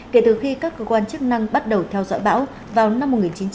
kể từ khi các cơ quan chức năng bắt đầu theo dõi bão vào năm một nghìn chín trăm bảy mươi